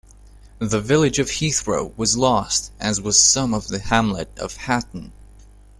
The village of Heathrow was lost, as was some of the hamlet of Hatton.